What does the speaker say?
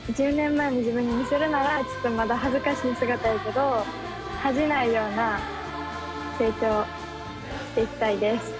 １０年前の自分に見せるならちょっとまだ恥ずかしい姿やけど恥じないような成長をしていきたいです。